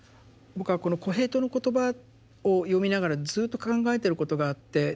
僕はこの「コヘレトの言葉」を読みながらずっと考えてることがあって。